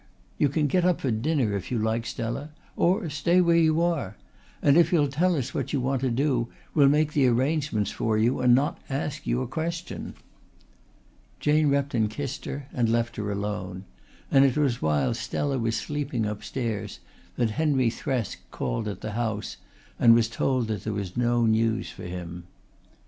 You can get up for dinner if you like, Stella, or stay where you are. And if you'll tell us what you want to do we'll make the arrangements for you and not ask you a question." Jane Repton kissed her and left her alone; and it was while Stella was sleeping upstairs that Henry Thresk called at the house and was told that there was no news for him.